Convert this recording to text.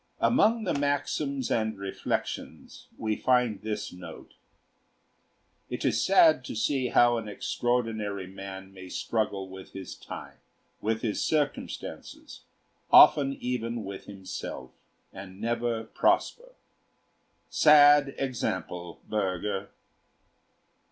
Among the 'Maxims and Reflections' we find this note: "It is sad to see how an extraordinary man may struggle with his time, with his circumstances, often even with himself, and never prosper. Sad example, Bürger!"